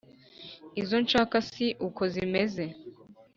izo nshaka si uko zimeze.